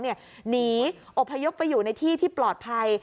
หนีอบพยพไปอยู่ในที่ที่ปลอดภัย